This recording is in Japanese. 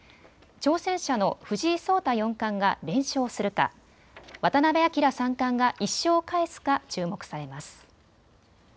挑戦者の藤井聡太四冠が連勝するか渡辺明三冠が１勝を返すか注目されます。